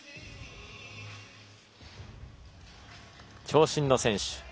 長身の選手。